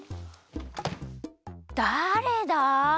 だれだ？